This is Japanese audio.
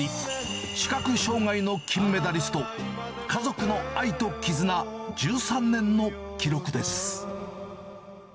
視覚障害の金メダリスト、家族の愛と絆１３年の記録です。